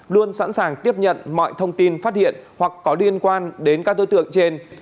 luôn sẵn sàng tiếp nhận mọi thông tin phát hiện hoặc có liên quan đến các đối tượng trên